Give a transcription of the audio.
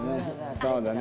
そうだね。